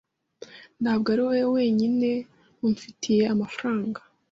Ntabwo ari wowe wenyine umfitiye amafaranga.